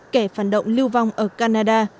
kẻ phản động lưu vong ở canada